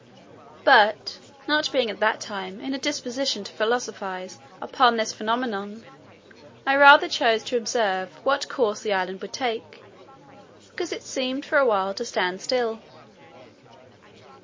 But not being at that time in a disposition to philosophise upon this phenomenon, I rather chose to observe what course the island would take, because it seemed for a while to stand still.